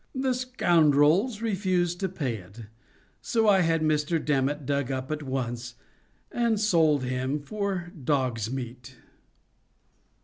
The scoundrels refused to pay it, so I had Mr. Dammit dug up at once, and sold him for dog's meat.